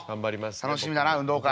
楽しみだな運動会」。